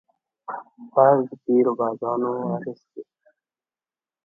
باز د تېرو بازانو وارث دی